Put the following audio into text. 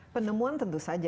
penemuan tentu saja ya